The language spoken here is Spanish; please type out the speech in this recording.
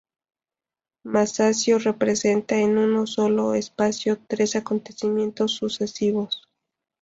Masaccio representa en un solo espacio tres acontecimientos sucesivos.